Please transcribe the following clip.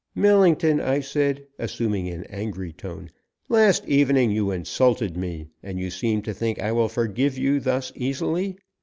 "Millington," I said, assuming an angry tone, "last evening you insulted me, and you seem to think I will forgive you thus easily.